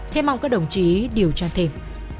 thế mong các đồng chí điều tra thêm